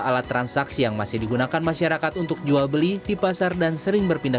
alat transaksi yang masih digunakan masyarakat untuk jual beli di pasar dan sering berpindah